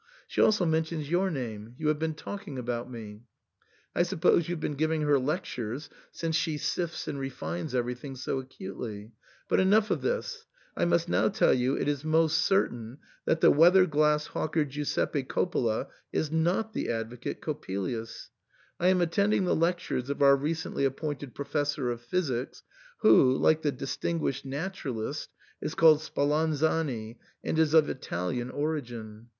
She also mentions your name. You have been talking about me, I suppose you have been giving her lectures, since she sifts and refines everything so acutely. But enough of this ! I must now tell you it is most cer tain that the weather glass hawker Giuseppe Coppola is not the advocate Coppelius. I am attending the lec tures of our recently appointed Professor of Physics, who, like the distinguished naturalist,* is called Spal anzani, and is of Italian origin.